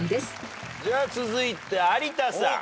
続いて有田さん。